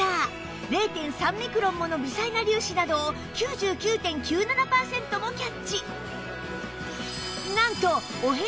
０．３ ミクロンもの微細な粒子などを ９９．９７ パーセントもキャッチ